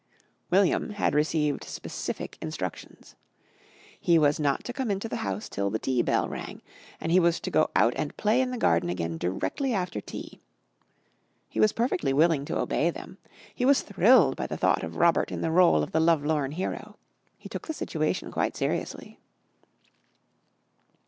William had received specific instructions. He was not to come into the house till the tea bell rang, and he was to go out and play in the garden again directly after tea. He was perfectly willing to obey them. He was thrilled by the thought of Robert in the rôle of the love lorn hero. He took the situation quite seriously.